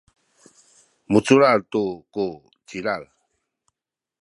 muculal tu ku cilal